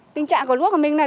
tình trạng của lúa của mình này